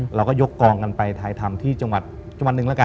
เราก็ยกกองกันไปถ่ายทำที่จังหวัดหนึ่งแล้วกัน